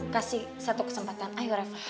kasih satu kesempatan ayo rev